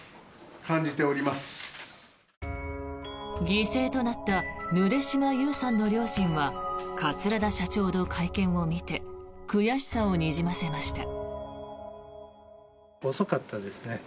犠牲となったぬで島優さんの両親は桂田社長の会見を見て悔しさをにじませました。